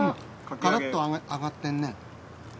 カラッと揚がってるね。